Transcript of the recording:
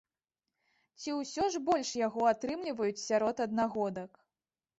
Ці ўсё ж больш яго атрымліваюць сярод аднагодак?